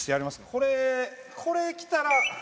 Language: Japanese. これ、これ来たら。